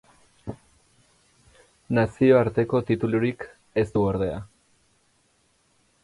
Nazio arteko titulurik ez du ordea.